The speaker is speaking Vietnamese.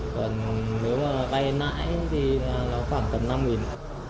còn nếu mà vay lãi thì nó khoảng tầm năm nghìn